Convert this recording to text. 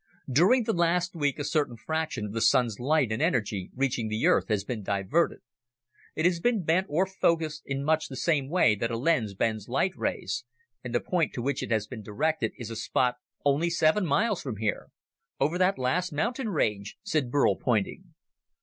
"During the last week, a certain fraction of the Sun's light and energy reaching the Earth has been diverted. It has been bent or focused in much the same way that a lens bends light rays and the point to which it has been directed is a spot only seven miles from here! Over that last mountain range," said Burl, pointing.